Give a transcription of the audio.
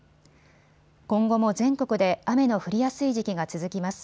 今後も全国で雨の降りやすい時期が続きます。